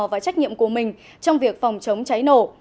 và trách nhiệm của mình trong việc phòng chống cháy nổ